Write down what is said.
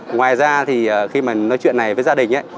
ngoài ra thì khi mà nói chuyện này với gia đình ấy